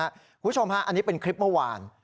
คุณผู้ชมฮะอันนี้เป็นคลิปเมื่อวาน